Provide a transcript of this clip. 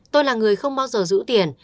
tôi là người không bao giờ giữ tiền